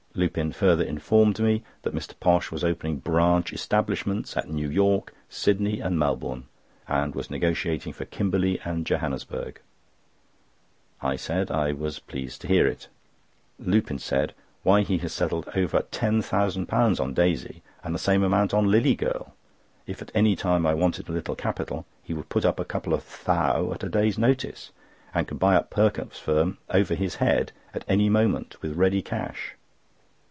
Lupin further informed me that Mr. Posh was opening branch establishments at New York, Sydney, and Melbourne, and was negotiating for Kimberley and Johannesburg. I said I was pleased to hear it. Lupin said: "Why, he has settled over £10,000 on Daisy, and the same amount on 'Lillie Girl.' If at any time I wanted a little capital, he would put up a couple of 'thou' at a day's notice, and could buy up Perkupp's firm over his head at any moment with ready cash."